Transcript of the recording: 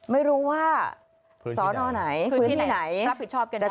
ไม่รู้ว่าพื้นที่ไหนรับผิดชอบกันได้